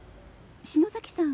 篠崎さん